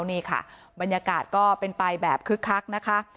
นี่ค่ะบรรยากาศก็เป็นไปแบบคึกคักนะคะ